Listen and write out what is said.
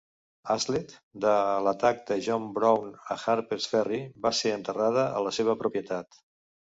Hazlett, de l"atac de John Brown a Harpers Ferry, va ser enterrada a la seva propietat.